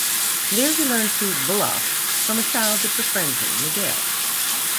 There he learns to 'bluff' from a child that befriends him, Miguel.